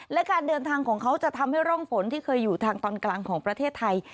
และการเดินทางของเขาจะทำให้ร่องฝนที่เคยอยู่ทางตอนกลางของประเทศไทย